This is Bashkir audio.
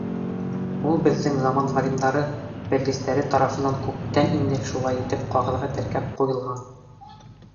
Ул беҙҙең заман ғалимдары, белгестәре тарафынан күптән инде шулай итеп ҡағыҙға теркәп ҡуйылған.